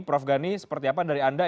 prof gani seperti apa dari anda